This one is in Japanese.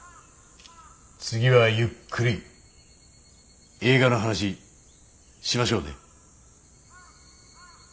次はゆっくり映画の話しましょうね。